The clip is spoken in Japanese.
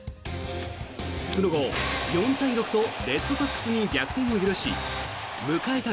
その後、４対６とレッドソックスに逆転を許し迎えた